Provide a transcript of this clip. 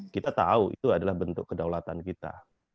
kita tahu itu adalah bentuk kedaulatan kita